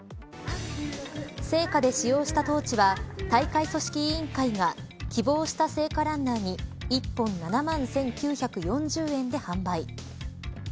聖火で使用したトーチは大会組織委員会が希望した聖火ランナーに１本７万１９４０円で販売。